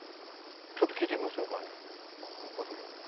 ちょっと聞いてみましょうかね。